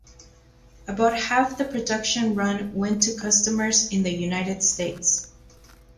About half the production run went to customers in the United States.